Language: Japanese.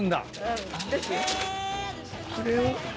これを。